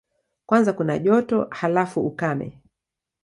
Kwanza kuna joto, halafu ukame.